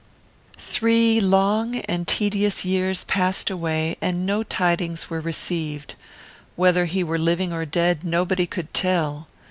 "Three long and tedious years passed away, and no tidings were received. Whether he were living or dead, nobody could tell.